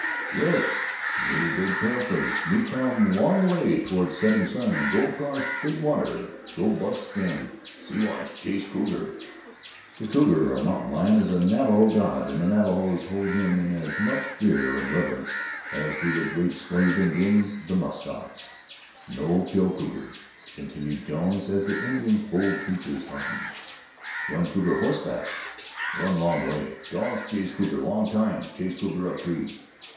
"Yes me big paleface me come long way toward setting sun go cross Big Water go Buckskin Siwash chase cougar." The cougar, or mountain lion, is a Navajo god and the Navajos hold him in as much fear and reverence as do the Great Slave Indians the musk ox. "No kill cougar," continued Jones, as the Indian's bold features hardened. "Run cougar horseback run long way dogs chase cougar long time chase cougar up tree!